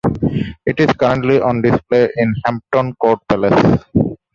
It is currently on display in Hampton Court Palace.